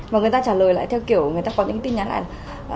mà người ta trả lời lại theo kiểu người ta có những tin nhắn lại là